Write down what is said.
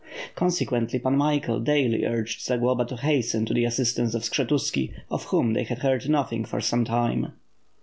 Consequently Pan Michael daily urged Zagloba to hasten to the assistance of Skshetuski of whom they had heard nothing for some time.